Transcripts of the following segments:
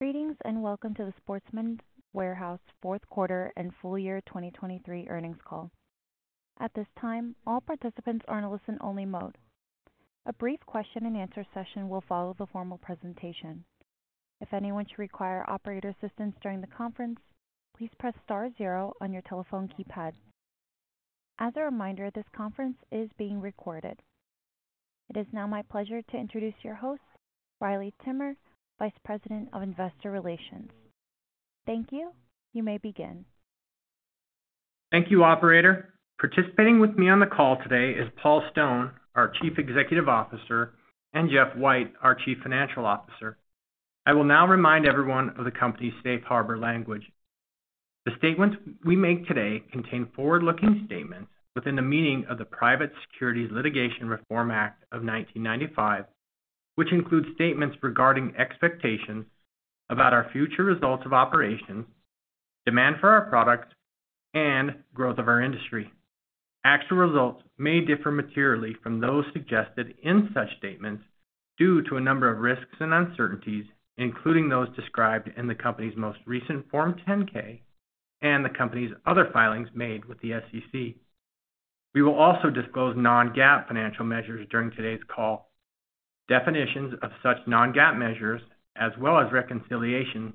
Greetings, and welcome to the Sportsman's Warehouse fourth quarter and full year 2023 earnings call. At this time, all participants are in a listen-only mode. A brief question and answer session will follow the formal presentation. If anyone should require operator assistance during the conference, please press star zero on your telephone keypad. As a reminder, this conference is being recorded. It is now my pleasure to introduce your host, Riley Timmer, Vice President of Investor Relations. Thank you. You may begin. Thank you, operator. Participating with me on the call today is Paul Stone, our Chief Executive Officer, and Jeff White, our Chief Financial Officer. I will now remind everyone of the company's safe harbor language. The statements we make today contain forward-looking statements within the meaning of the Private Securities Litigation Reform Act of 1995, which includes statements regarding expectations about our future results of operations, demand for our products, and growth of our industry. Actual results may differ materially from those suggested in such statements due to a number of risks and uncertainties, including those described in the company's most recent Form 10-K and the company's other filings made with the SEC. We will also disclose non-GAAP financial measures during today's call. Definitions of such non-GAAP measures, as well as reconciliation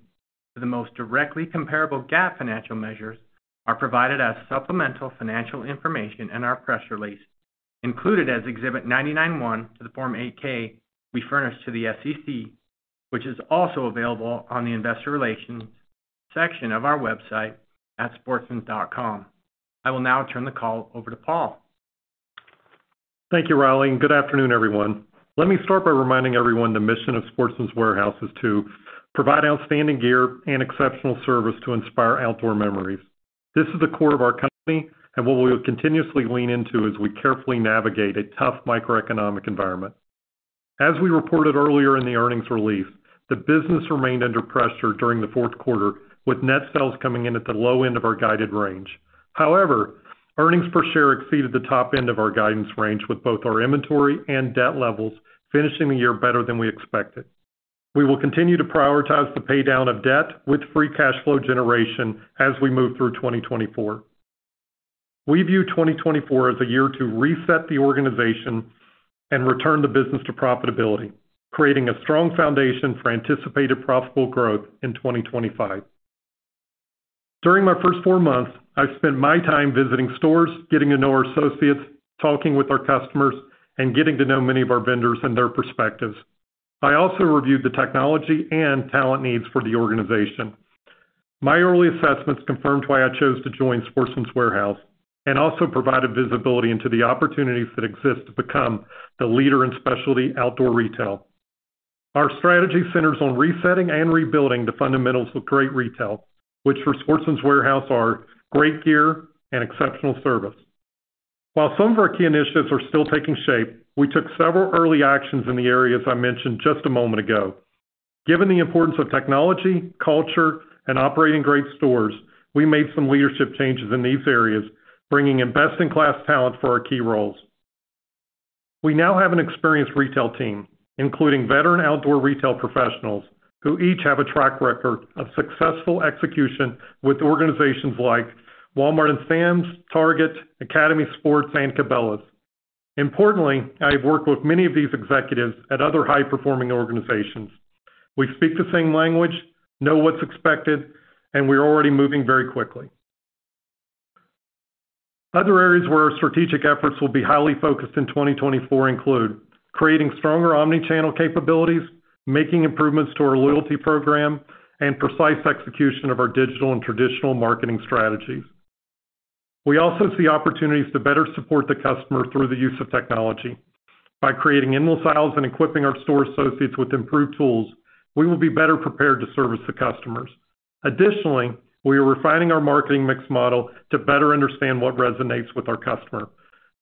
to the most directly comparable GAAP financial measures, are provided as supplemental financial information in our press release, included as Exhibit 99-1 to the Form 8-K we furnished to the SEC, which is also available on the investor relations section of our website at sportsmans.com. I will now turn the call over to Paul. Thank you, Riley, and good afternoon, everyone. Let me start by reminding everyone the mission of Sportsman's Warehouse is to provide outstanding gear and exceptional service to inspire outdoor memories. This is the core of our company and what we will continuously lean into as we carefully navigate a tough microeconomic environment. As we reported earlier in the earnings release, the business remained under pressure during the fourth quarter, with net sales coming in at the low end of our guided range. However, earnings per share exceeded the top end of our guidance range, with both our inventory and debt levels finishing the year better than we expected. We will continue to prioritize the paydown of debt with free cash flow generation as we move through 2024. We view 2024 as a year to reset the organization and return the business to profitability, creating a strong foundation for anticipated profitable growth in 2025. During my first four months, I've spent my time visiting stores, getting to know our associates, talking with our customers, and getting to know many of our vendors and their perspectives. I also reviewed the technology and talent needs for the organization. My early assessments confirmed why I chose to join Sportsman's Warehouse and also provided visibility into the opportunities that exist to become the leader in specialty outdoor retail. Our strategy centers on resetting and rebuilding the fundamentals of great retail, which for Sportsman's Warehouse are great gear and exceptional service. While some of our key initiatives are still taking shape, we took several early actions in the areas I mentioned just a moment ago. Given the importance of technology, culture, and operating great stores, we made some leadership changes in these areas, bringing in best-in-class talent for our key roles. We now have an experienced retail team, including veteran outdoor retail professionals, who each have a track record of successful execution with organizations like Walmart and Sam's, Target, Academy Sports, and Cabela's. Importantly, I have worked with many of these executives at other high-performing organizations. We speak the same language, know what's expected, and we're already moving very quickly. Other areas where our strategic efforts will be highly focused in 2024 include creating stronger omni-channel capabilities, making improvements to our loyalty program, and precise execution of our digital and traditional marketing strategies. We also see opportunities to better support the customer through the use of technology. By creating in-store aisles and equipping our store associates with improved tools, we will be better prepared to service the customers. Additionally, we are refining our marketing mix model to better understand what resonates with our customer.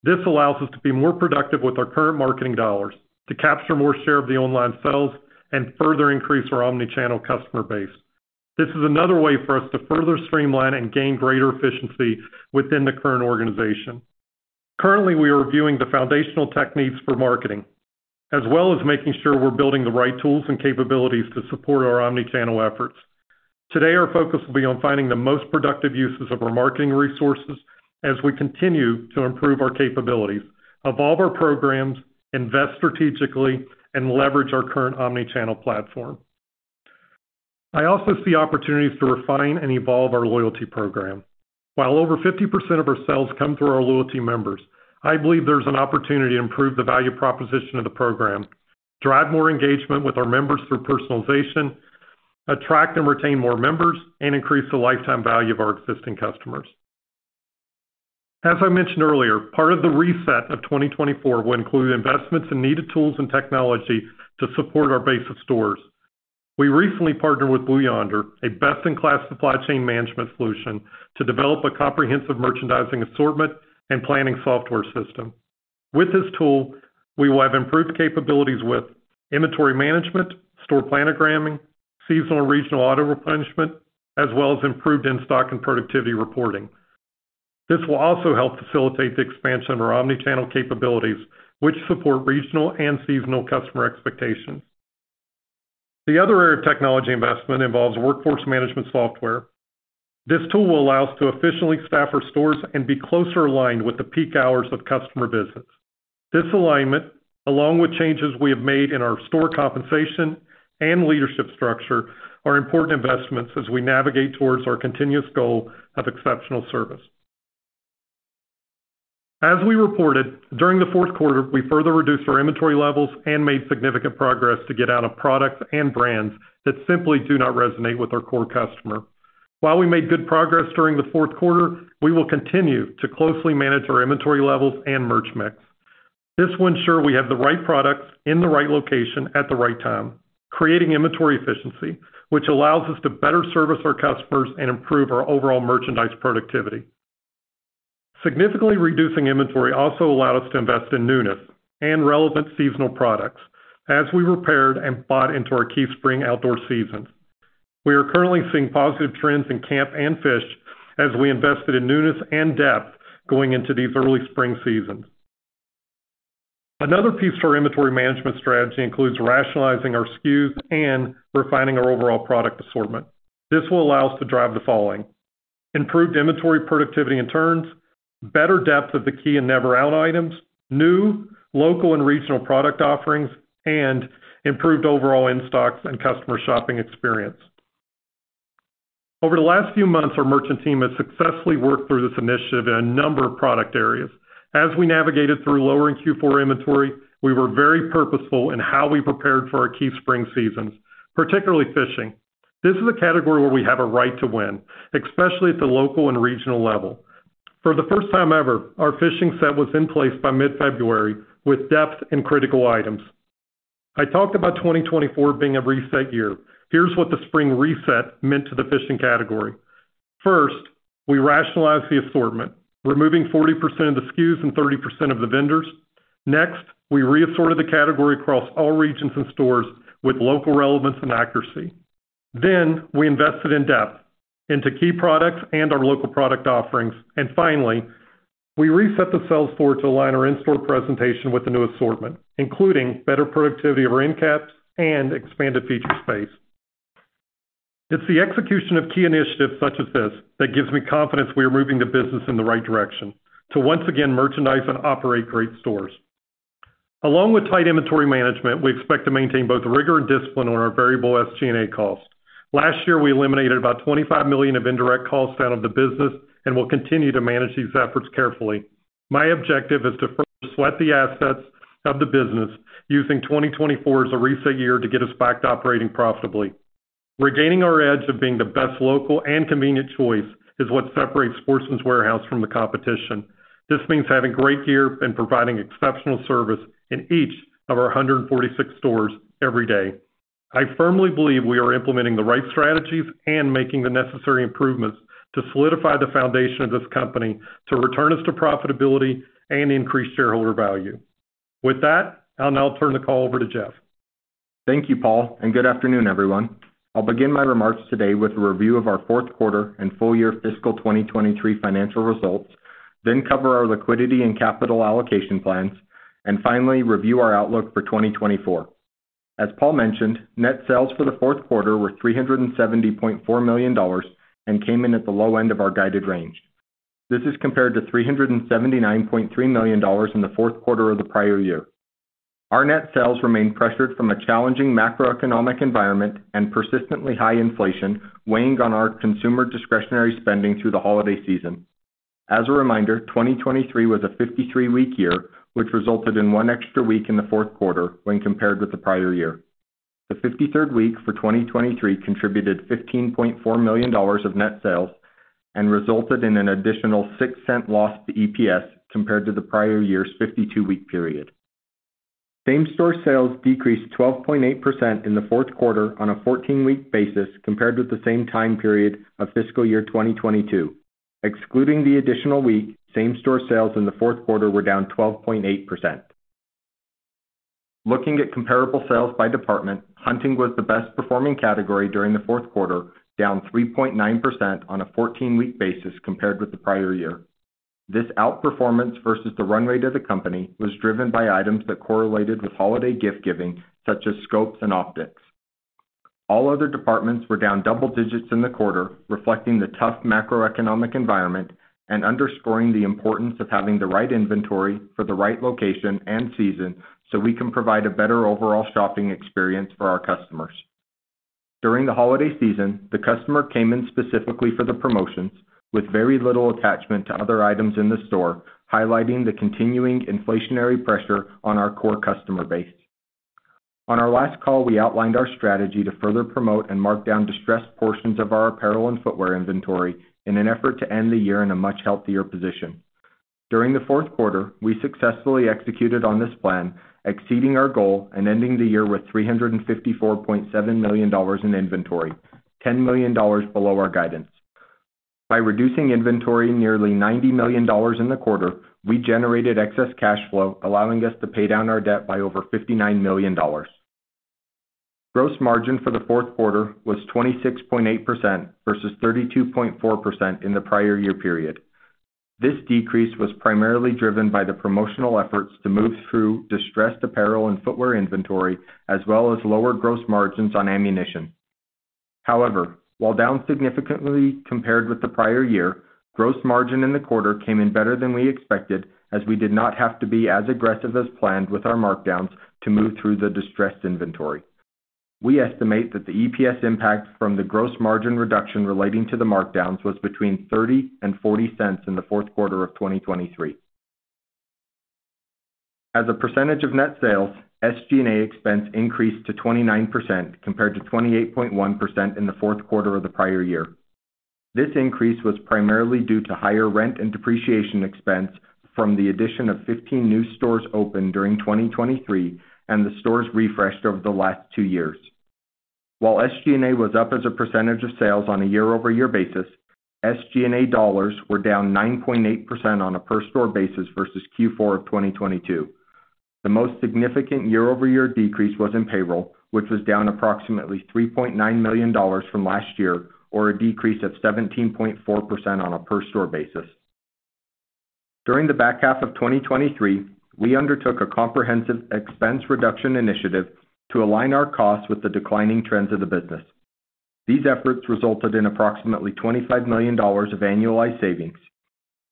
This allows us to be more productive with our current marketing dollars, to capture more share of the online sales, and further increase our Omni-channel customer base. This is another way for us to further streamline and gain greater efficiency within the current organization. Currently, we are reviewing the foundational techniques for marketing, as well as making sure we're building the right tools and capabilities to support our Omni-channel efforts. Today, our focus will be on finding the most productive uses of our marketing resources as we continue to improve our capabilities, evolve our programs, invest strategically, and leverage our current omni-channel platform. I also see opportunities to refine and evolve our loyalty program. While over 50% of our sales come through our loyalty members, I believe there's an opportunity to improve the value proposition of the program, drive more engagement with our members through personalization, attract and retain more members, and increase the lifetime value of our existing customers. As I mentioned earlier, part of the reset of 2024 will include investments in needed tools and technology to support our base of stores. We recently partnered with Blue Yonder, a best-in-class supply chain management solution, to develop a comprehensive merchandising assortment and planning software system. With this tool, we will have improved capabilities with inventory management, store planogramming, seasonal and regional auto-replenishment, as well as improved in-stock and productivity reporting. This will also help facilitate the expansion of our omni-channel capabilities, which support regional and seasonal customer expectations. The other area of technology investment involves workforce management software. This tool will allow us to efficiently staff our stores and be closer aligned with the peak hours of customer visits. This alignment, along with changes we have made in our store compensation and leadership structure, are important investments as we navigate towards our continuous goal of exceptional service. As we reported, during the fourth quarter, we further reduced our inventory levels and made significant progress to get out of products and brands that simply do not resonate with our core customer. While we made good progress during the fourth quarter, we will continue to closely manage our inventory levels and merch mix. This will ensure we have the right products in the right location at the right time, creating inventory efficiency, which allows us to better service our customers and improve our overall merchandise productivity. Significantly reducing inventory also allowed us to invest in newness and relevant seasonal products as we repaired and bought into our key spring outdoor seasons. We are currently seeing positive trends in camp and fish as we invested in newness and depth going into these early spring seasons. Another piece to our inventory management strategy includes rationalizing our SKUs and refining our overall product assortment. This will allow us to drive the following: improved inventory productivity and turns, better depth of the key and never out items, new, local, and regional product offerings, and improved overall in-stocks and customer shopping experience. Over the last few months, our merchant team has successfully worked through this initiative in a number of product areas. As we navigated through lowering Q4 inventory, we were very purposeful in how we prepared for our key spring seasons, particularly fishing. This is a category where we have a right to win, especially at the local and regional level. For the first time ever, our fishing set was in place by mid-February, with depth and critical items. I talked about 2024 being a reset year. Here's what the spring reset meant to the fishing category. First, we rationalized the assortment, removing 40% of the SKUs and 30% of the vendors. Next, we reassorted the category across all regions and stores with local relevance and accuracy. Then, we invested in-depth into key products and our local product offerings. And finally, we reset the sales floor to align our in-store presentation with the new assortment, including better productivity of our end caps and expanded feature space. It's the execution of key initiatives such as this that gives me confidence we are moving the business in the right direction to once again merchandise and operate great stores. Along with tight inventory management, we expect to maintain both rigor and discipline on our variable SG&A costs. Last year, we eliminated about $25 million of indirect costs out of the business and will continue to manage these efforts carefully. My objective is to further sweat the assets of the business, using 2024 as a reset year to get us back to operating profitably. Regaining our edge of being the best local and convenient choice is what separates Sportsman's Warehouse from the competition. This means having great gear and providing exceptional service in each of our 146 stores every day. I firmly believe we are implementing the right strategies and making the necessary improvements to solidify the foundation of this company to return us to profitability and increase shareholder value. With that, I'll now turn the call over to Jeff. Thank you, Paul, and good afternoon, everyone. I'll begin my remarks today with a review of our fourth quarter and full year fiscal 2023 financial results, then cover our liquidity and capital allocation plans, and finally, review our outlook for 2024. As Paul mentioned, net sales for the fourth quarter were $370.4 million and came in at the low end of our guided range. This is compared to $379.3 million in the fourth quarter of the prior year. Our net sales remain pressured from a challenging macroeconomic environment and persistently high inflation, weighing on our consumer discretionary spending through the holiday season. As a reminder, 2023 was a 53-week year, which resulted in one extra week in the fourth quarter when compared with the prior year. The 53rd week for 2023 contributed $15.4 million of net sales and resulted in an additional $0.06 loss to EPS compared to the prior year's 52-week period. Same-store sales decreased 12.8% in the fourth quarter on a 14-week basis compared with the same time period of fiscal year 2022. Excluding the additional week, same-store sales in the fourth quarter were down 12.8%. Looking at comparable sales by department, hunting was the best performing category during the fourth quarter, down 3.9% on a 14-week basis compared with the prior year. This outperformance versus the runway to the company was driven by items that correlated with holiday gift-giving, such as scopes and optics. All other departments were down double digits in the quarter, reflecting the tough macroeconomic environment and underscoring the importance of having the right inventory for the right location and season, so we can provide a better overall shopping experience for our customers. During the holiday season, the customer came in specifically for the promotions with very little attachment to other items in the store, highlighting the continuing inflationary pressure on our core customer base. On our last call, we outlined our strategy to further promote and mark down distressed portions of our apparel and footwear inventory in an effort to end the year in a much healthier position. During the fourth quarter, we successfully executed on this plan, exceeding our goal and ending the year with $354.7 million in inventory, $10 million below our guidance. By reducing inventory nearly $90 million in the quarter, we generated excess cash flow, allowing us to pay down our debt by over $59 million. Gross margin for the fourth quarter was 26.8% versus 32.4% in the prior year period. This decrease was primarily driven by the promotional efforts to move through distressed apparel and footwear inventory, as well as lower gross margins on ammunition. However, while down significantly compared with the prior year, gross margin in the quarter came in better than we expected, as we did not have to be as aggressive as planned with our markdowns to move through the distressed inventory. We estimate that the EPS impact from the gross margin reduction relating to the markdowns was between $0.30 and $0.40 in the fourth quarter of 2023. As a percentage of net sales, SG&A expense increased to 29%, compared to 28.1% in the fourth quarter of the prior year. This increase was primarily due to higher rent and depreciation expense from the addition of 15 new stores opened during 2023 and the stores refreshed over the last two years. While SG&A was up as a percentage of sales on a year-over-year basis, SG&A dollars were down 9.8% on a per store basis versus Q4 of 2022. The most significant year-over-year decrease was in payroll, which was down approximately $3.9 million from last year, or a decrease of 17.4% on a per store basis. During the back half of 2023, we undertook a comprehensive expense reduction initiative to align our costs with the declining trends of the business. These efforts resulted in approximately $25 million of annualized savings.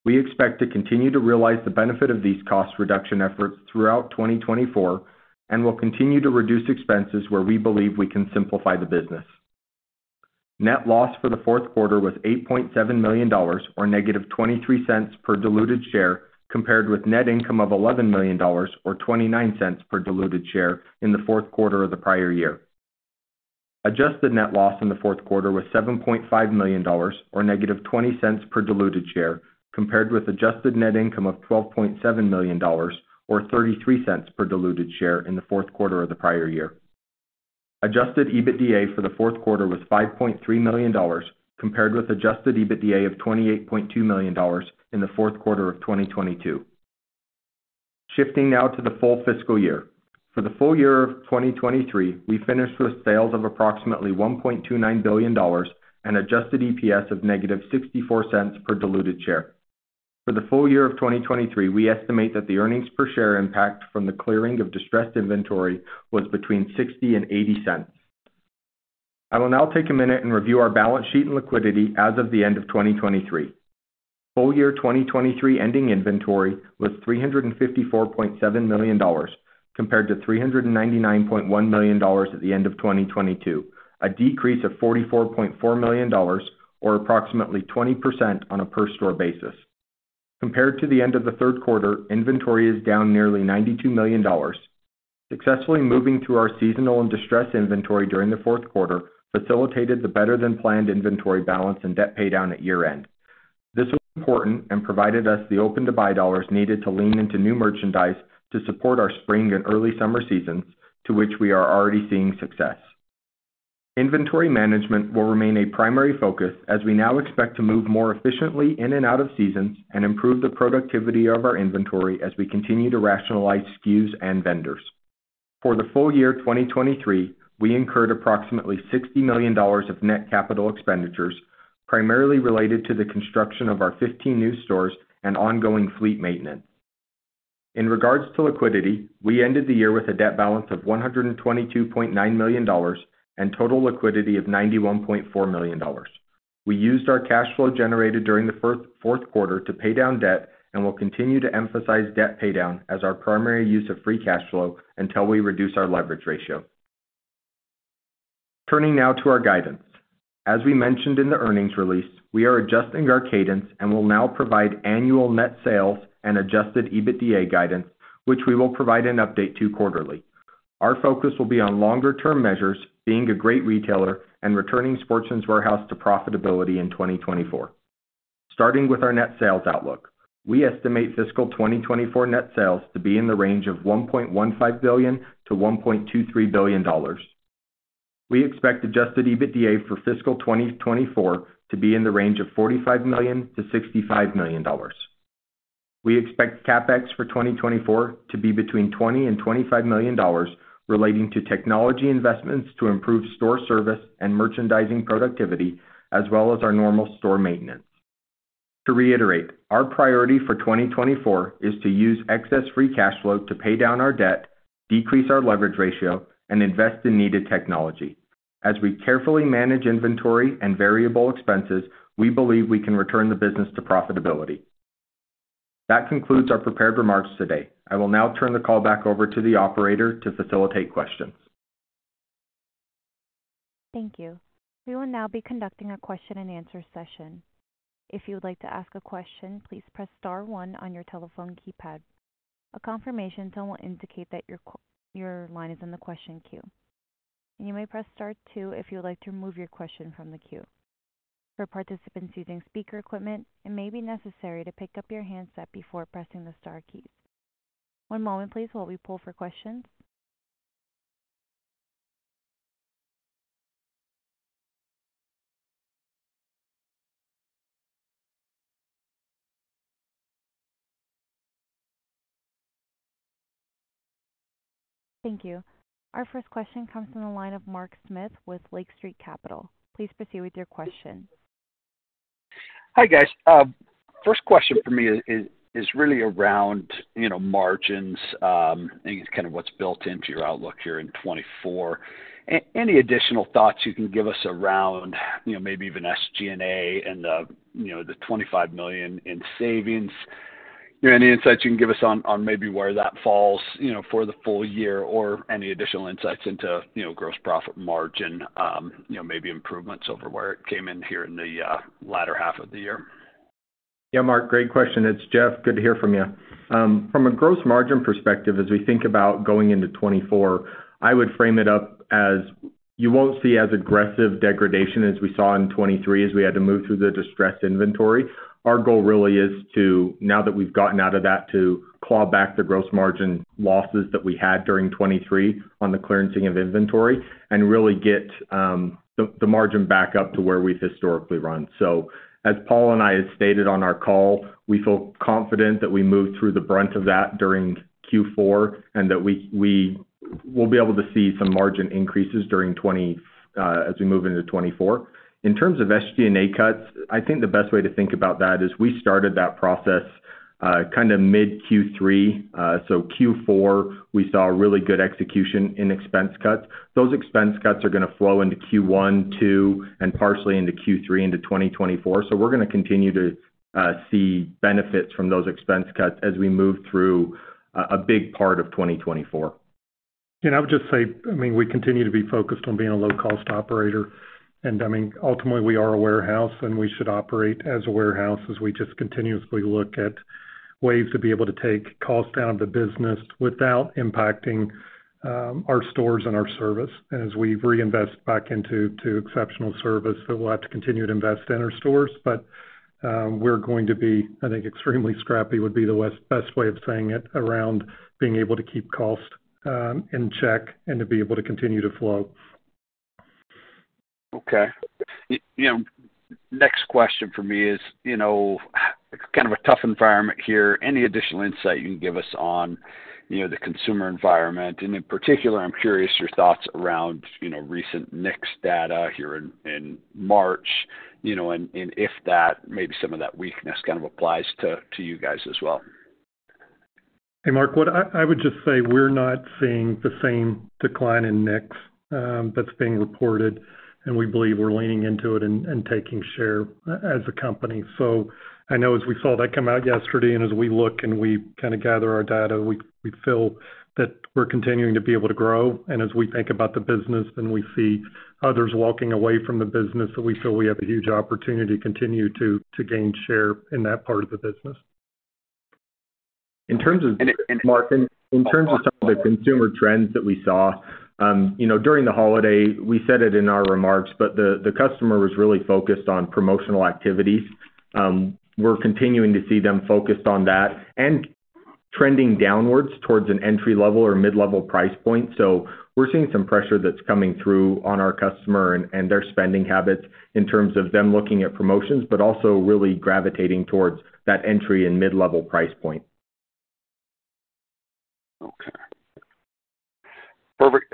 We expect to continue to realize the benefit of these cost reduction efforts throughout 2024 and will continue to reduce expenses where we believe we can simplify the business. Net loss for the fourth quarter was $8.7 million, or -$0.23 per diluted share, compared with net income of $11 million, or $0.29 per diluted share in the fourth quarter of the prior year. Adjusted net loss in the fourth quarter was $7.5 million, or -$0.20 per diluted share, compared with adjusted net income of $12.7 million or $0.33 per diluted share in the fourth quarter of the prior year. Adjusted EBITDA for the fourth quarter was $5.3 million, compared with adjusted EBITDA of $28.2 million in the fourth quarter of 2022. Shifting now to the full fiscal year. For the full year of 2023, we finished with sales of approximately $1.29 billion an adjusted EPS of -$0.64 per diluted share. For the full year of 2023, we estimate that the earnings per share impact from the clearing of distressed inventory was between $0.60 and $0.80. I will now take a minute and review our balance sheet and liquidity as of the end of 2023. Full year 2023 ending inventory was $354.7 million, compared to $399.1 million at the end of 2022, a decrease of $44.4 million or approximately 20% on a per store basis. Compared to the end of the third quarter, inventory is down nearly $92 million. Successfully moving to our seasonal and distressed inventory during the fourth quarter facilitated the better-than-planned inventory balance and debt paydown at year-end. This was important and provided us the open-to-buy dollars needed to lean into new merchandise to support our spring and early summer seasons, to which we are already seeing success. Inventory management will remain a primary focus as we now expect to move more efficiently in and out of seasons and improve the productivity of our inventory as we continue to rationalize SKUs and vendors. For the full year 2023, we incurred approximately $60 million of net capital expenditures, primarily related to the construction of our 15 new stores and ongoing fleet maintenance. In regards to liquidity, we ended the year with a debt balance of $122.9 million and total liquidity of $91.4 million. We used our cash flow generated during the fourth quarter to pay down debt and will continue to emphasize debt paydown as our primary use of free cash flow until we reduce our leverage ratio. Turning now to our guidance. As we mentioned in the earnings release, we are adjusting our cadence and will now provide annual net sales and Adjusted EBITDA guidance, which we will provide an update to quarterly. Our focus will be on longer term measures, being a great retailer, and returning Sportsman's Warehouse to profitability in 2024. Starting with our net sales outlook. We estimate fiscal 2024 net sales to be in the range of $1.15 billion-$1.23 billion. We expect Adjusted EBITDA for fiscal 2024 to be in the range of $45 million-$65 million. We expect CapEx for 2024 to be between $20 million and $25 million, relating to technology investments to improve store service and merchandising productivity, as well as our normal store maintenance. To reiterate, our priority for 2024 is to use excess free cash flow to pay down our debt, decrease our leverage ratio, and invest in needed technology. As we carefully manage inventory and variable expenses, we believe we can return the business to profitability. That concludes our prepared remarks today. I will now turn the call back over to the operator to facilitate questions. Thank you. We will now be conducting a question-and-answer session. If you would like to ask a question, please press star one on your telephone keypad. A confirmation tone will indicate that your line is in the question queue. You may press star two if you would like to remove your question from the queue. For participants using speaker equipment, it may be necessary to pick up your handset before pressing the star keys. One moment please while we pull for questions. Thank you. Our first question comes from the line of Mark Smith with Lake Street Capital. Please proceed with your question. Hi, guys. First question for me is really around, you know, margins, and it's kind of what's built into your outlook here in 2024. Any additional thoughts you can give us around, you know, maybe even SG&A and the, you know, the $25 million in savings? You know, any insights you can give us on, on maybe where that falls, you know, for the full year or any additional insights into, you know, gross profit margin, you know, maybe improvements over where it came in here in the latter half of the year. Yeah, Mark, great question. It's Jeff. Good to hear from you. From a gross margin perspective, as we think about going into 2024, I would frame it up as you won't see as aggressive degradation as we saw in 2023, as we had to move through the distressed inventory. Our goal really is to now that we've gotten out of that, to claw back the gross margin losses that we had during 2023 on the clearancing of inventory and really get the margin back up to where we've historically run. So as Paul and I have stated on our call, we feel confident that we moved through the brunt of that during Q4, and that we will be able to see some margin increases during 2024 as we move into 2024. In terms of SG&A cuts, I think the best way to think about that is we started that process, kind of mid Q3. So Q4, we saw really good execution in expense cuts. Those expense cuts are gonna flow into Q1, Q2, and partially into Q3, into 2024. So we're gonna continue to see benefits from those expense cuts as we move through a big part of 2024. I would just say, I mean, we continue to be focused on being a low-cost operator. I mean, ultimately, we are a warehouse, and we should operate as a warehouse, as we just continuously look at ways to be able to take costs down of the business without impacting our stores and our service. And as we reinvest back into to exceptional service, so we'll have to continue to invest in our stores. But we're going to be, I think, extremely scrappy, would be the best way of saying it, around being able to keep costs in check and to be able to continue to flow. Okay. You know, next question for me is, you know, kind of a tough environment here. Any additional insight you can give us on, you know, the consumer environment? And in particular, I'm curious your thoughts around, you know, recent NICS data here in March, you know, and if that maybe some of that weakness kind of applies to you guys as well. Hey, Mark, what I would just say we're not seeing the same decline in NICS that's being reported, and we believe we're leaning into it and taking share as a company. So I know as we saw that come out yesterday, and as we look and we kind of gather our data, we feel that we're continuing to be able to grow. And as we think about the business and we see others walking away from the business, that we feel we have a huge opportunity to continue to gain share in that part of the business. In terms of some of the consumer trends that we saw, you know, during the holiday, we said it in our remarks, but the customer was really focused on promotional activities. We're continuing to see them focused on that and trending downwards towards an entry-level or mid-level price point. So we're seeing some pressure that's coming through on our customer and their spending habits in terms of them looking at promotions, but also really gravitating towards that entry and mid-level price point. Okay. Perfect.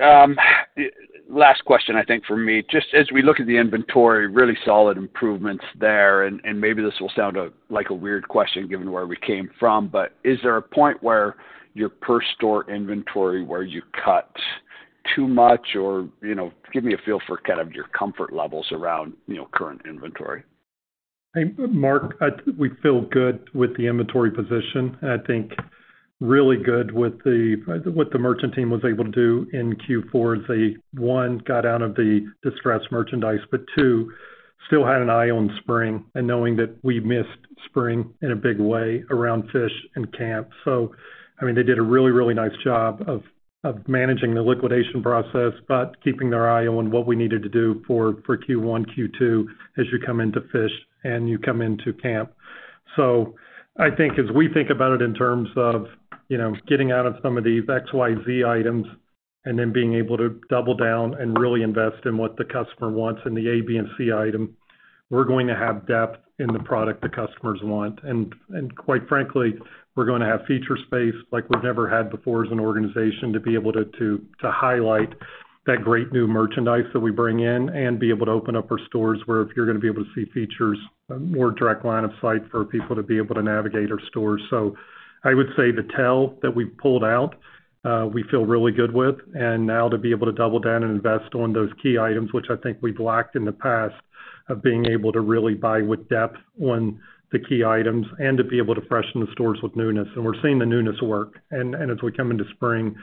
Last question, I think, for me. Just as we look at the inventory, really solid improvements there, and, and maybe this will sound like a weird question given where we came from, but is there a point where your per store inventory, where you cut too much or, you know, give me a feel for kind of your comfort levels around, you know, current inventory? Hey, Mark, we feel good with the inventory position, and I think really good with what the merchant team was able to do in Q4 as they, one, got out of the distressed merchandise, but two, still had an eye on spring and knowing that we missed spring in a big way around fish and camp. So I mean, they did a really, really nice job of managing the liquidation process, but keeping their eye on what we needed to do for Q1, Q2, as you come into fish and you come into camp. So I think as we think about it in terms of, you know, getting out of some of these XYZ items and then being able to double down and really invest in what the customer wants in the A, B, and C item, we're going to have depth in the product the customers want. And, and quite frankly, we're gonna have feature space like we've never had before as an organization to be able to, to highlight that great new merchandise that we bring in and be able to open up our stores, where if you're gonna be able to see features, a more direct line of sight for people to be able to navigate our stores. So I would say the tail that we've pulled out, we feel really good with, and now to be able to double down and invest on those key items, which I think we've lacked in the past, of being able to really buy with depth on the key items and to be able to freshen the stores with newness. And we're seeing the newness work. And, and as we come into spring,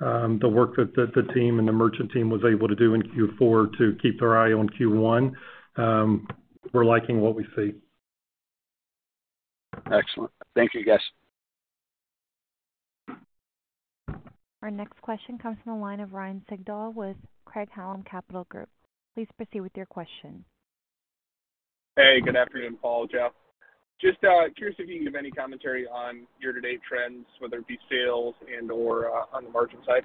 the work that the team and the merchant team was able to do in Q4 to keep their eye on Q1, we're liking what we see. Excellent. Thank you, guys. Our next question comes from the line of Ryan Sigdahl with Craig-Hallum Capital Group. Please proceed with your question. Hey, good afternoon, Paul, Jeff. Just curious if you can give any commentary on year-to-date trends, whether it be sales and/or on the margin side?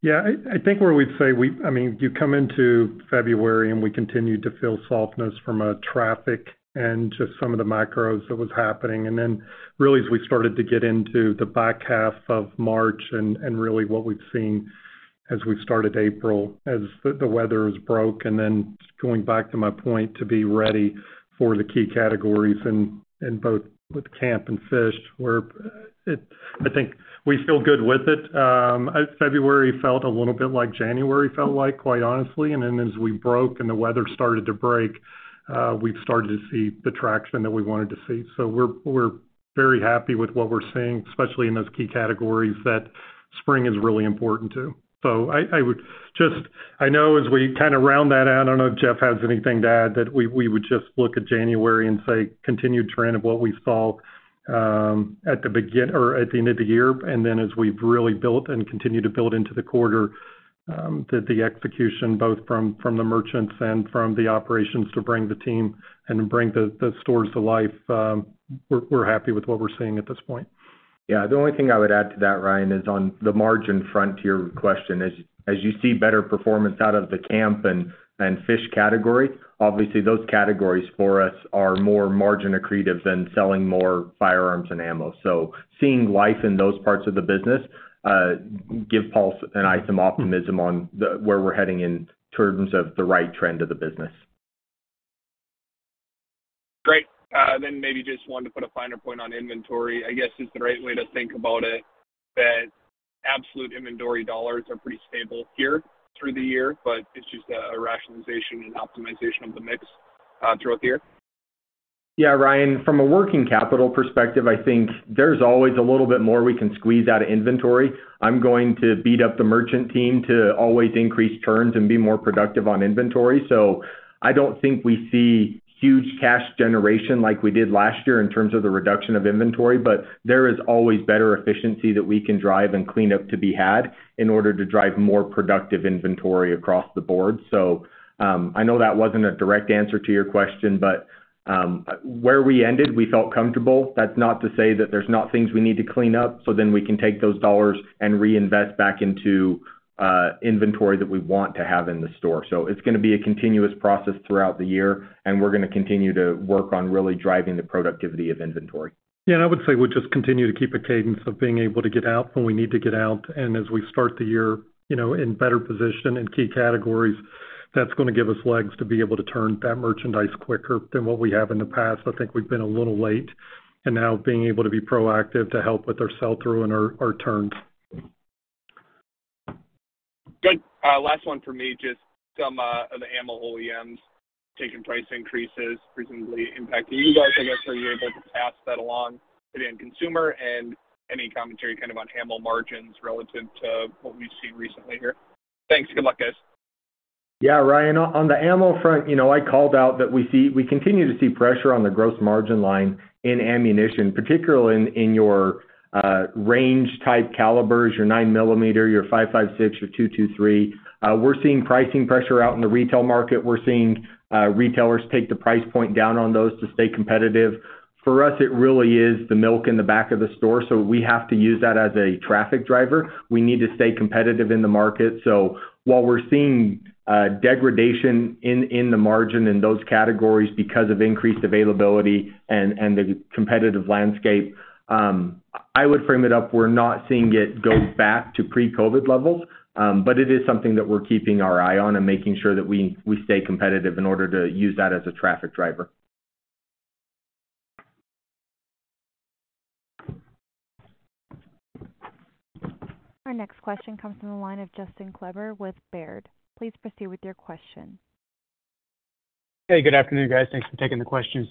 Yeah, I think where we'd say—I mean, you come into February, and we continued to feel softness from a traffic and just some of the macros that was happening. And then really, as we started to get into the back half of March and really what we've seen as we've started April, as the weather has broken, then going back to my point, to be ready for the key categories in both with camp and fish. I think we feel good with it. February felt a little bit like January felt like, quite honestly, and then as we broke and the weather started to break, we've started to see the traction that we wanted to see. So we're very happy with what we're seeing, especially in those key categories that spring is really important, too. So I would just. I know as we kind of round that out, I don't know if Jeff has anything to add, that we would just look at January and say, continued trend of what we saw at the end of the year, and then as we've really built and continue to build into the quarter, that the execution, both from the merchants and from the operations to bring the team and bring the stores to life, we're happy with what we're seeing at this point. Yeah. The only thing I would add to that, Ryan, is on the margin front to your question is, as you see better performance out of the camp and fish category, obviously, those categories for us are more margin accretive than selling more firearms and ammo. So seeing life in those parts of the business give Paul and I some optimism on the where we're heading in terms of the right trend of the business. Great. Then maybe just wanted to put a finer point on inventory. I guess, is the right way to think about it, that absolute inventory dollars are pretty stable here through the year, but it's just a rationalization and optimization of the mix throughout the year? Yeah, Ryan, from a working capital perspective, I think there's always a little bit more we can squeeze out of inventory. I'm going to beat up the merchant team to always increase turns and be more productive on inventory. So I don't think we see huge cash generation like we did last year in terms of the reduction of inventory, but there is always better efficiency that we can drive and clean up to be had in order to drive more productive inventory across the board. So, I know that wasn't a direct answer to your question, but, where we ended, we felt comfortable. That's not to say that there's not things we need to clean up, so then we can take those dollars and reinvest back into, inventory that we want to have in the store. So it's gonna be a continuous process throughout the year, and we're gonna continue to work on really driving the productivity of inventory. Yeah, and I would say we'll just continue to keep a cadence of being able to get out when we need to get out. And as we start the year, you know, in better position in key categories, that's gonna give us legs to be able to turn that merchandise quicker than what we have in the past. I think we've been a little late, and now being able to be proactive to help with our sell-through and our turns. Good. Last one for me. Just some of the ammo OEMs taking price increases, presumably impacting you guys. I guess, are you able to pass that along to the end consumer? And any commentary kind of on ammo margins relative to what we've seen recently here? Thanks. Good luck, guys. Yeah, Ryan, on the ammo front, you know, I called out that we see we continue to see pressure on the gross margin line in ammunition, particularly in your range-type calibers, your 9 millimeter, your 5.56, your .223. We're seeing pricing pressure out in the retail market. We're seeing retailers take the price point down on those to stay competitive. For us, it really is the milk in the back of the store, so we have to use that as a traffic driver. We need to stay competitive in the market. So while we're seeing degradation in the margin in those categories because of increased availability and the competitive landscape, I would frame it up, we're not seeing it go back to pre-COVID levels, but it is something that we're keeping our eye on and making sure that we stay competitive in order to use that as a traffic driver. Our next question comes from the line of Justin Kleber with Baird. Please proceed with your question. Hey, good afternoon, guys. Thanks for taking the questions.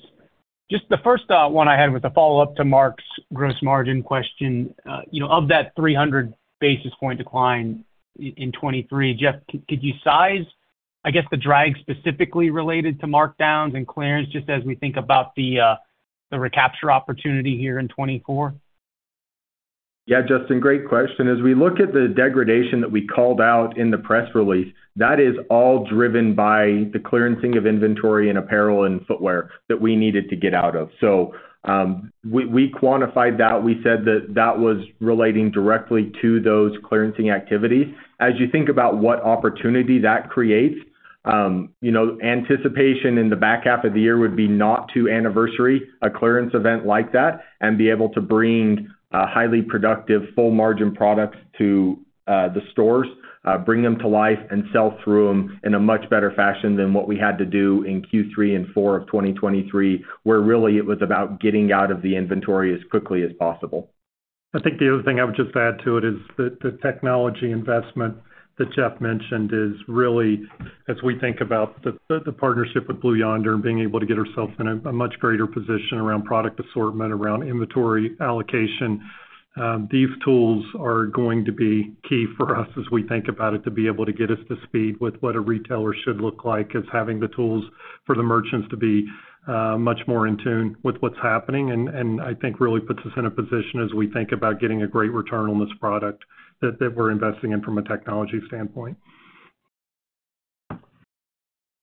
Just the first one I had was a follow-up to Mark's gross margin question. You know, of that 300 basis point decline in 2023, Jeff, could you size, I guess, the drag specifically related to markdowns and clearance, just as we think about the recapture opportunity here in 2024? Yeah, Justin, great question. As we look at the degradation that we called out in the press release, that is all driven by the clearancing of inventory and apparel and footwear that we needed to get out of. So, we quantified that. We said that that was relating directly to those clearancing activities. As you think about what opportunity that creates, you know, anticipation in the back half of the year would be not to anniversary a clearance event like that and be able to bring highly productive, full-margin products to the stores, bring them to life and sell through them in a much better fashion than what we had to do in Q3 and Q4 of 2023, where really it was about getting out of the inventory as quickly as possible. I think the other thing I would just add to it is that the technology investment that Jeff mentioned is really, as we think about the partnership with Blue Yonder and being able to get ourselves in a much greater position around product assortment, around inventory allocation, these tools are going to be key for us as we think about it, to be able to get us to speed with what a retailer should look like, is having the tools for the merchants to be much more in tune with what's happening. And I think really puts us in a position as we think about getting a great return on this product that we're investing in from a technology standpoint.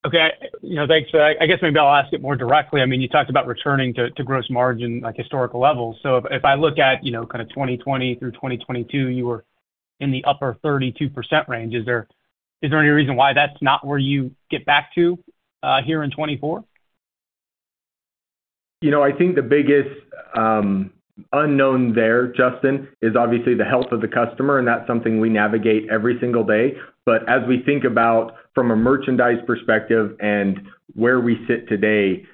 Okay. You know, thanks for that. I guess maybe I'll ask it more directly. I mean, you talked about returning to, to gross margin, like, historical levels. So if, if I look at, you know, kind of 2020 through 2022, you were in the upper 32% range, is there, is there any reason why that's not where you get back to here in 2024? You know, I think the biggest unknown there, Justin, is obviously the health of the customer, and that's something we navigate every single day. But as we think about from a merchandise perspective and where we sit today,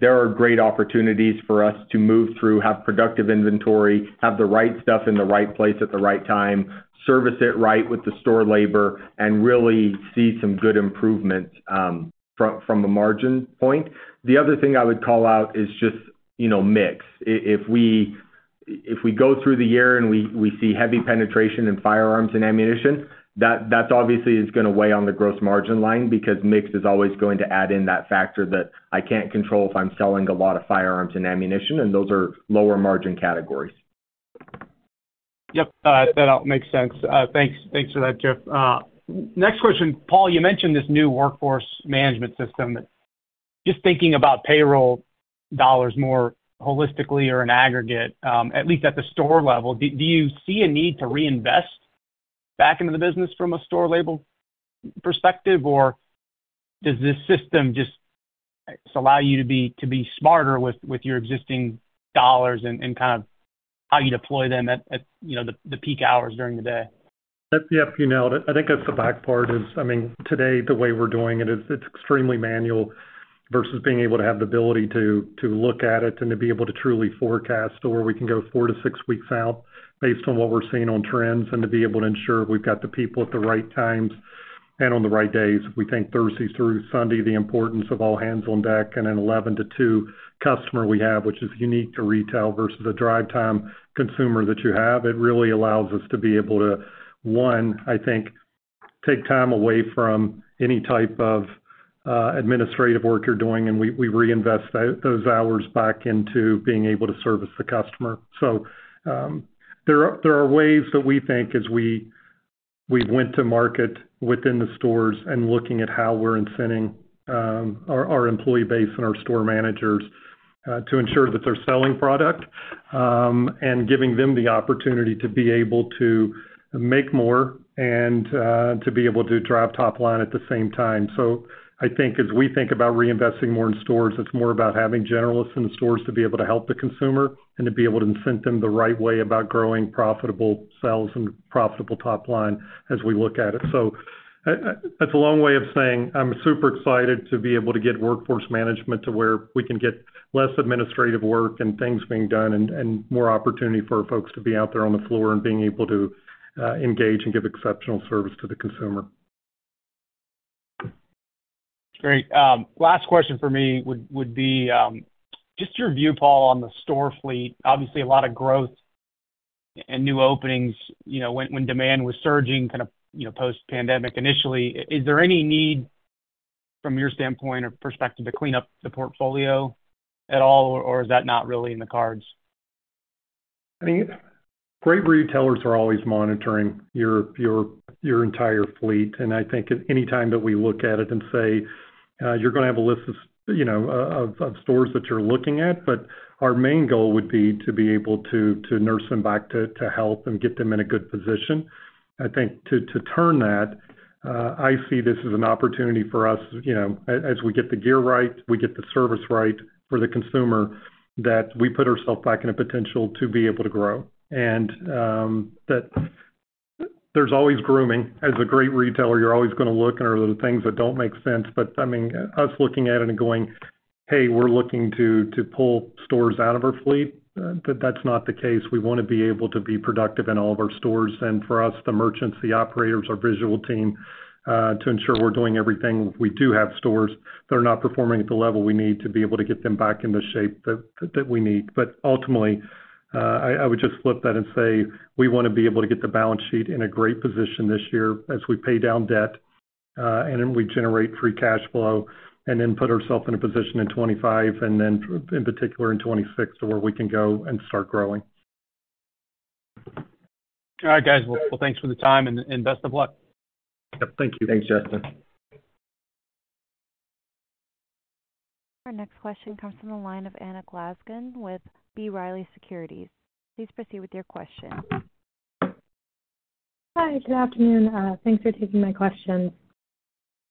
there are great opportunities for us to move through, have productive inventory, have the right stuff in the right place at the right time, service it right with the store labor, and really see some good improvements from a margin point. The other thing I would call out is just, you know, mix. If we go through the year and we see heavy penetration in firearms and ammunition, that obviously is gonna weigh on the gross margin line, because mix is always going to add in that factor that I can't control if I'm selling a lot of firearms and ammunition, and those are lower margin categories. Yep, that all makes sense. Thanks. Thanks for that, Jeff. Next question. Paul, you mentioned this new workforce management system. Just thinking about payroll dollars more holistically or in aggregate, at least at the store level, do you see a need to reinvest back into the business from a store label perspective? Or does this system just allow you to be smarter with your existing dollars and kind of how you deploy them at, you know, the peak hours during the day? Yep, you nailed it. I think that's the back part is, I mean, today, the way we're doing it is it's extremely manual, versus being able to have the ability to look at it and to be able to truly forecast, or we can go 4-6 weeks out based on what we're seeing on trends, and to be able to ensure we've got the people at the right times and on the right days. We think Thursday through Sunday, the importance of all hands on deck and an 11 to 2 customer we have, which is unique to retail, versus a drive-time consumer that you have. It really allows us to be able to, one, I think, take time away from any type of administrative work you're doing, and we reinvest those hours back into being able to service the customer. So, there are ways that we think as we went to market within the stores and looking at how we're incenting our employee base and our store managers to ensure that they're selling product and giving them the opportunity to be able to make more and to be able to drive top line at the same time. So I think as we think about reinvesting more in stores, it's more about having generalists in the stores to be able to help the consumer and to be able to incent them the right way about growing profitable sales and profitable top line as we look at it. So, that's a long way of saying I'm super excited to be able to get workforce management to where we can get less administrative work and things being done and, and more opportunity for folks to be out there on the floor and being able to engage and give exceptional service to the consumer. Great. Last question for me would be just your view, Paul, on the store fleet. Obviously, a lot of growth and new openings, you know, when demand was surging kind of, you know, post-pandemic initially. Is there any need from your standpoint or perspective, to clean up the portfolio at all, or is that not really in the cards? I mean, great retailers are always monitoring your entire fleet, and I think at any time that we look at it and say, you're gonna have a list of, you know, of stores that you're looking at, but our main goal would be to be able to nurse them back to health and get them in a good position. I think to turn that, I see this as an opportunity for us, you know, as we get the gear right, we get the service right for the consumer, that we put ourselves back in a potential to be able to grow. And that there's always grooming. As a great retailer, you're always gonna look under the things that don't make sense. But, I mean, us looking at it and going, "Hey, we're looking to pull stores out of our fleet," that's not the case. We wanna be able to be productive in all of our stores, and for us, the merchants, the operators, our visual team, to ensure we're doing everything. We do have stores that are not performing at the level we need to be able to get them back into shape that we need. But ultimately, I would just flip that and say, we wanna be able to get the balance sheet in a great position this year as we pay down debt, and then we generate free cash flow, and then put ourselves in a position in 2025, and then in particular in 2026, to where we can go and start growing. All right, guys. Well, thanks for the time and, and best of luck. Thank you. Thanks, Justin. Our next question comes from the line of Anna Glaessgen with B. Riley Securities. Please proceed with your question. Hi, good afternoon. Thanks for taking my questions.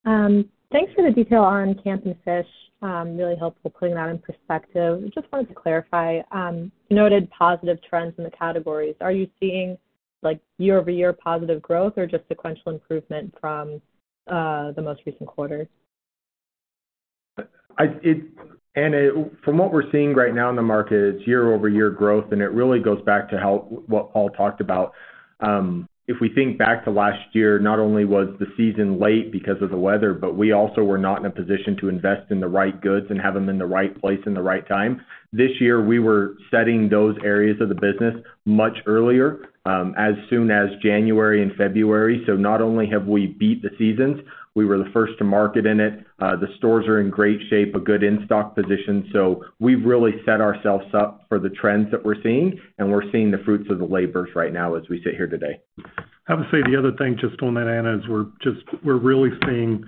Thanks for the detail on camp and fish. Really helpful putting that in perspective. Just wanted to clarify, you noted positive trends in the categories. Are you seeing, like, year-over-year positive growth or just sequential improvement from the most recent quarter? It, Anna, from what we're seeing right now in the market, it's year-over-year growth, and it really goes back to what Paul talked about. If we think back to last year, not only was the season late because of the weather, but we also were not in a position to invest in the right goods and have them in the right place and the right time. This year, we were setting those areas of the business much earlier, as soon as January and February. So not only have we beat the seasons, we were the first to market in it. The stores are in great shape, a good in-stock position. So we've really set ourselves up for the trends that we're seeing, and we're seeing the fruits of the labors right now as we sit here today. I would say the other thing, just on that, Anna, is we're really seeing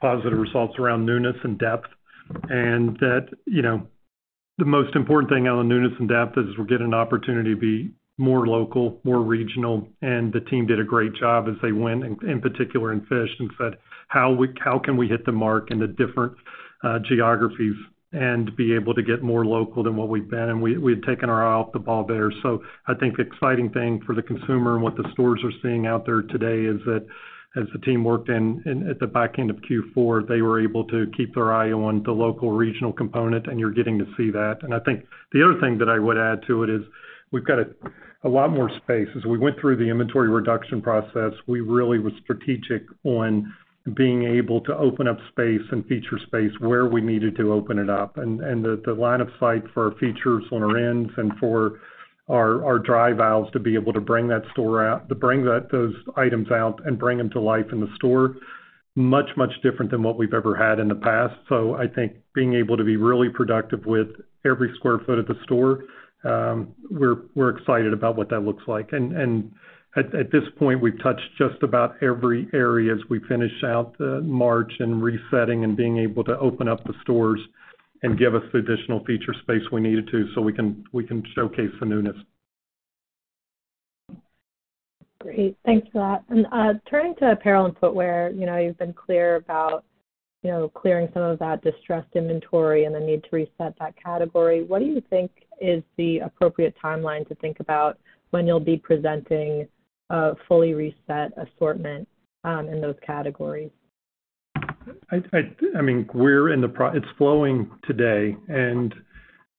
positive results around newness and depth, and that, you know, the most important thing on the newness and depth is we're getting an opportunity to be more local, more regional, and the team did a great job as they went in particular in fish, and said, "How can we hit the mark in the different geographies and be able to get more local than what we've been?" And we had taken our eye off the ball there. So I think the exciting thing for the consumer and what the stores are seeing out there today is that as the team worked in at the back end of Q4, they were able to keep their eye on the local, regional component, and you're getting to see that. And I think the other thing that I would add to it is, we've got a lot more space. As we went through the inventory reduction process, we really were strategic on being able to open up space and feature space where we needed to open it up. And the line of sight for our features on our ends and for our dry valves to be able to bring those items out and bring them to life in the store, much, much different than what we've ever had in the past. So I think being able to be really productive with every square foot at the store, we're excited about what that looks like. And at this point, we've touched just about every area as we finish out the March and resetting and being able to open up the stores and give us the additional feature space we needed to, so we can showcase the newness. Great. Thanks for that. And, turning to apparel and footwear, you know, you've been clear about, you know, clearing some of that distressed inventory and the need to reset that category. What do you think is the appropriate timeline to think about when you'll be presenting a fully reset assortment, in those categories? I mean, we're in the process—it's flowing today.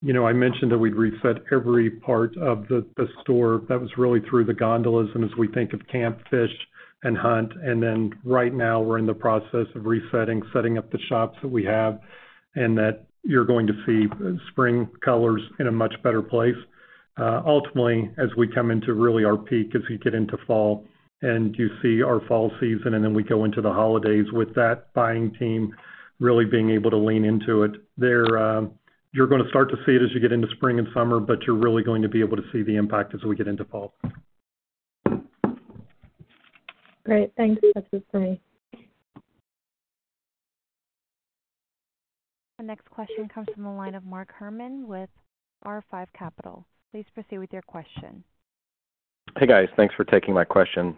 You know, I mentioned that we'd reset every part of the store. That was really through the gondolas, and as we think of camp, fish, and hunt, and then right now, we're in the process of resetting, setting up the shops that we have, and that you're going to see spring colors in a much better place. Ultimately, as we come into really our peak, as we get into fall, and you see our fall season, and then we go into the holidays with that buying team really being able to lean into it. You're gonna start to see it as you get into spring and summer, but you're really going to be able to see the impact as we get into fall. Great. Thanks. That's it for me. The next question comes from the line of Mark Herrmann with R5 Capital. Please proceed with your question. Hey, guys. Thanks for taking my question.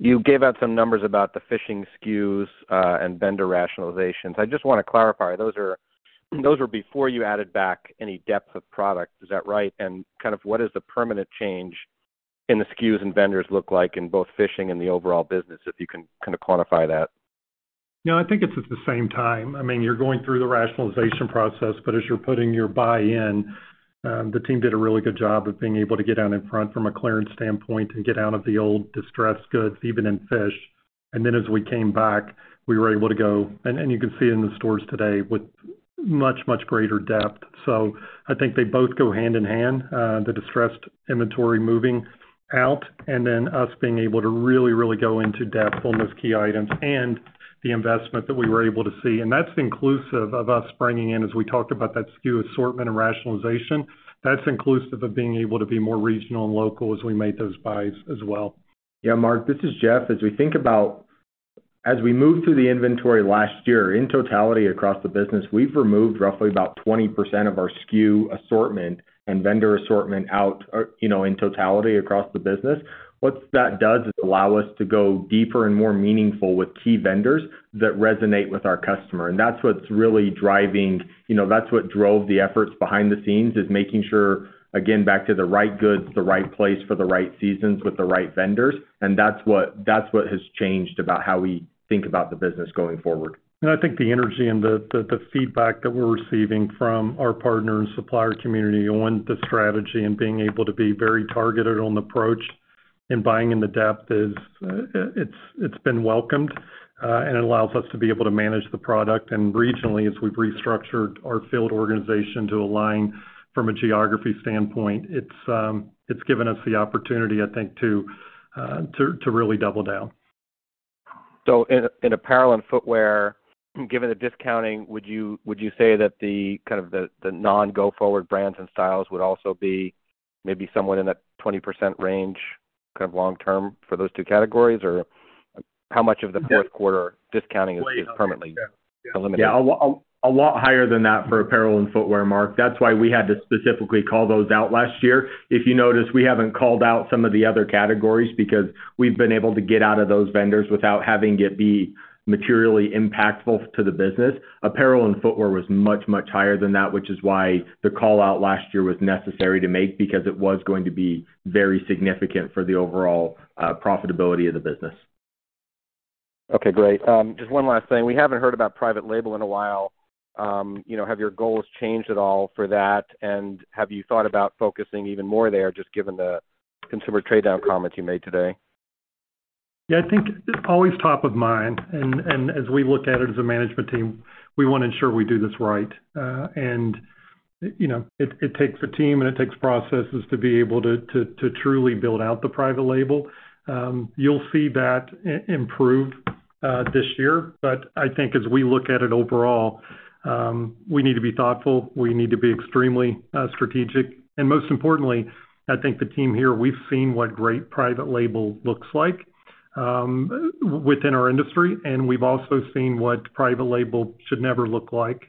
You gave out some numbers about the fishing SKUs and vendor rationalizations. I just wanna clarify, those are, those were before you added back any depth of product. Is that right? And kind of what is the permanent change in the SKUs and vendors look like in both fishing and the overall business, if you can kind of quantify that? No, I think it's at the same time. I mean, you're going through the rationalization process, but as you're putting your buy in, the team did a really good job of being able to get out in front from a clearance standpoint and get out of the old distressed goods, even in fish. And then as we came back, we were able to go, and you can see in the stores today with much, much greater depth. So I think they both go hand in hand. The distressed inventory moving out, and then us being able to really, really go into depth on those key items and the investment that we were able to see. That's inclusive of us bringing in, as we talked about that SKU assortment and rationalization, that's inclusive of being able to be more regional and local as we made those buys as well. Yeah, Mark, this is Jeff. As we think about, as we moved through the inventory last year, in totality across the business, we've removed roughly about 20% of our SKU assortment and vendor assortment out, you know, in totality across the business. What that does is allow us to go deeper and more meaningful with key vendors that resonate with our customer. And that's what's really driving, you know, that's what drove the efforts behind the scenes is making sure, again, back to the right goods, the right place for the right seasons with the right vendors, and that's what, that's what has changed about how we think about the business going forward. I think the energy and the feedback that we're receiving from our partner and supplier community on the strategy and being able to be very targeted on the approach and buying in the depth is, it's been welcomed, and allows us to be able to manage the product. Regionally, as we've restructured our field organization to align from a geography standpoint, it's given us the opportunity, I think, to really double down. So in apparel and footwear, given the discounting, would you say that the non-go-forward brands and styles would also be maybe somewhat in a 20% range, kind of long term for those two categories? Or how much of the fourth quarter discounting is permanently eliminated? Yeah, a lot, a lot higher than that for apparel and footwear, Mark. That's why we had to specifically call those out last year. If you notice, we haven't called out some of the other categories because we've been able to get out of those vendors without having it be materially impactful to the business. Apparel and footwear was much, much higher than that, which is why the call-out last year was necessary to make, because it was going to be very significant for the overall profitability of the business. Okay, great. Just one last thing. We haven't heard about private label in a while. You know, have your goals changed at all for that? And have you thought about focusing even more there, just given the consumer trade-down comments you made today? Yeah, I think it's always top of mind. And as we look at it as a management team, we wanna ensure we do this right. You know, it takes a team, and it takes processes to be able to truly build out the private label. You'll see that improve this year. But I think as we look at it overall, we need to be thoughtful, we need to be extremely strategic, and most importantly, I think the team here, we've seen what great private label looks like within our industry, and we've also seen what private label should never look like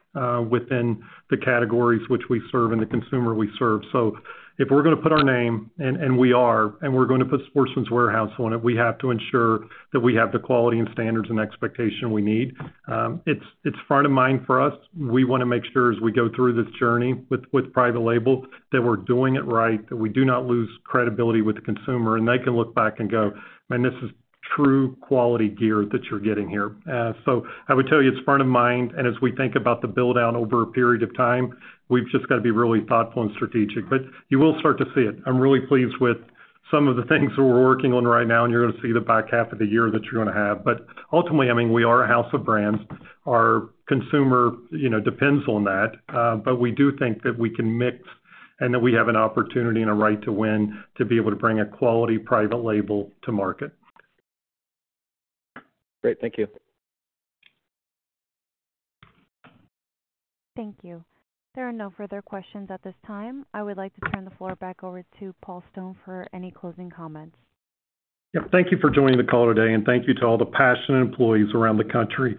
within the categories which we serve and the consumer we serve. So if we're gonna put our name, and we are, and we're gonna put Sportsman's Warehouse on it, we have to ensure that we have the quality and standards and expectation we need. It's front of mind for us. We wanna make sure as we go through this journey with private label, that we're doing it right, that we do not lose credibility with the consumer, and they can look back and go, "Man, this is true quality gear that you're getting here." So I would tell you, it's front of mind, and as we think about the build-out over a period of time, we've just got to be really thoughtful and strategic. But you will start to see it. I'm really pleased with some of the things that we're working on right now, and you're gonna see the back half of the year that you're gonna have. But ultimately, I mean, we are a house of brands. Our consumer, you know, depends on that. But we do think that we can mix and that we have an opportunity and a right to win, to be able to bring a quality private label to market. Great. Thank you. Thank you. There are no further questions at this time. I would like to turn the floor back over to Paul Stone for any closing comments. Yeah. Thank you for joining the call today, and thank you to all the passionate employees around the country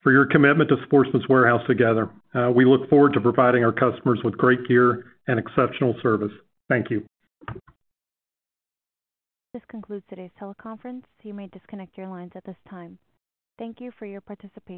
for your commitment to Sportsman's Warehouse together. We look forward to providing our customers with great gear and exceptional service. Thank you. This concludes today's teleconference. You may disconnect your lines at this time. Thank you for your participation.